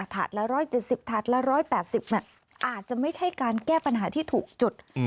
ถาดละ๑๗๐ถาดละ๑๘๐อาจจะไม่ใช่การแก้ปัญหาที่ถูกจุด